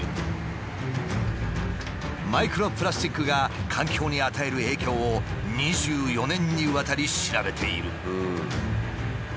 マイクロプラスチックが環境に与える影響を２４年にわたり調べている。